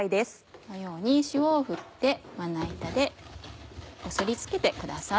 このように塩を振ってまな板でこすりつけてください。